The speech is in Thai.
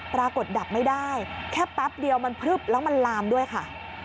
ดับไม่ได้แค่แป๊บเดียวมันพลึบแล้วมันลามด้วยค่ะ